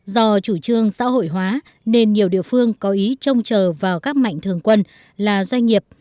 do chủ trương xã hội hóa nên nhiều địa phương có ý trông chờ vào các mạnh thường quân là doanh nghiệp